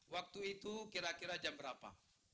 waktu itu kira kira jam berapa